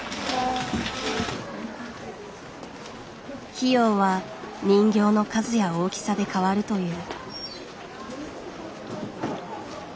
費用は人形の数や大きさで変わるという。